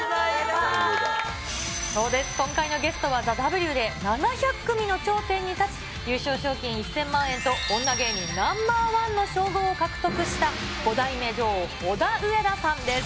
そうです、今回のゲストは、ＴＨＥＷで７００組の頂点に立ち優勝賞金１０００万円と女芸人Ｎｏ．１の称号を獲得した、５代目女王、オダウエダさんです。